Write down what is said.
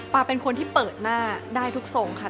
เป็นคนที่เปิดหน้าได้ทุกทรงค่ะ